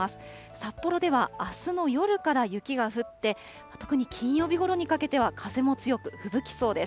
札幌ではあすの夜から雪が降って、特に金曜日ごろにかけては、風も強く、ふぶきそうです。